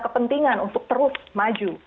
kepentingan untuk terus maju